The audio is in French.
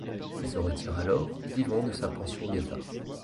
Il se retire alors, vivant de sa pension d'État.